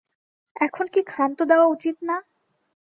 এখন কি ক্ষান্ত দেওয়া উচিত না?